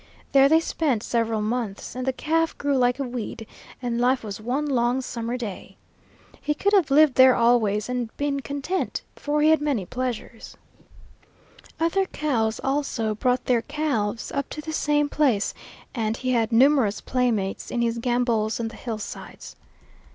There they spent several months, and the calf grew like a weed, and life was one long summer day. He could have lived there always and been content, for he had many pleasures. Other cows, also, brought their calves up to the same place, and he had numerous playmates in his gambols on the hillsides.